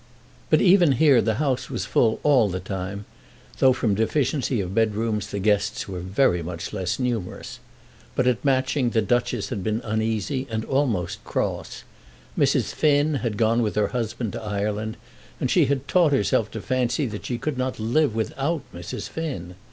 But even here the house was full all the time, though from deficiency of bedrooms the guests were very much less numerous. But at Matching the Duchess had been uneasy and almost cross. Mrs. Finn had gone with her husband to Ireland, and she had taught herself to fancy that she could not live without Mrs. Finn.